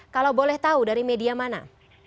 kalau boleh tahu dari media mana